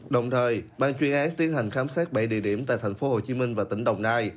đồng thời ban chuyên án tiến hành khám xét bảy địa điểm tại thành phố hồ chí minh và tỉnh đồng nai